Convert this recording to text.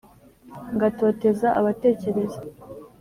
Ngatoteza abatekereza